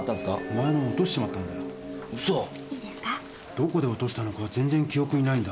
どこで落としたのか全然記憶にないんだ。